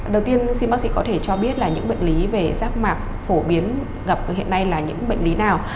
đầu tiên xin bác sĩ có thể cho biết là những bệnh lý về rác mạc phổ biến gặp hiện nay là những bệnh lý nào